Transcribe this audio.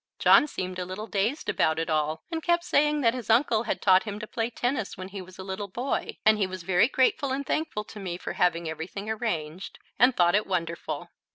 John seemed a little dazed about it all, and kept saying that his uncle had taught him to play tennis when he was a little boy, and he was very grateful and thankful to me for having everything arranged, and thought it wonderful.